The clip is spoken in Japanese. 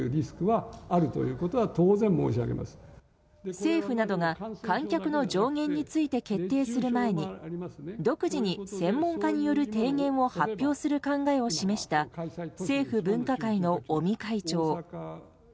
政府などが観客の上限について決定する前に独自に専門家による提言を発表する考えを示した政府分科会の尾身会長。